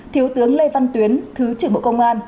thiếu tướng lê văn tuyến thứ trưởng bộ công an